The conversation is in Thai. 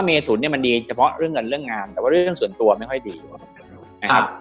เมทุนเนี่ยมันดีเฉพาะเรื่องเงินเรื่องงานแต่ว่าเรื่องส่วนตัวไม่ค่อยดีพอสมควรนะครับ